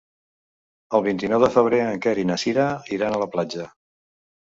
El vint-i-nou de febrer en Quer i na Cira iran a la platja.